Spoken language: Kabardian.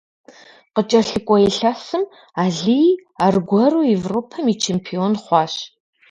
КъыкӀэлъыкӀуэ илъэсым Алий аргуэру Европэм и чемпион хъуащ.